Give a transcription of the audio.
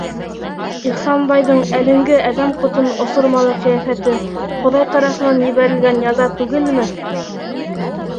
Ихсанбайҙың әлеңге әҙәм ҡотон осормалы ҡиәфәте Хоҙай тарафынан ебәрелгән яза түгелме?